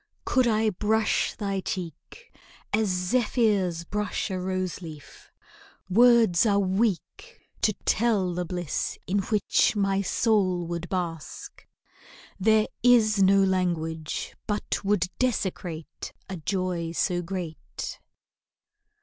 Could I brush thy cheek As zephyrs brush a rose leaf, words are weak To tell the bliss in which my soul would bask. There is no language but would desecrate A joy so great.